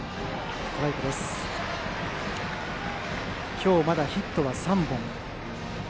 今日まだヒットは３本。